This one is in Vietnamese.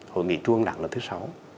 hội nghị tru ân đảng lần thứ sáu